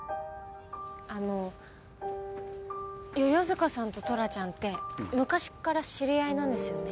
あの世々塚さんとトラちゃんって昔から知り合いなんですよね？